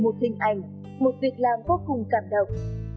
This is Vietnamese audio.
một hình ảnh một việc làm vô cùng cảm động